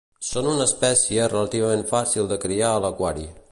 Són una espècie relativament fàcil de criar a l'aquari.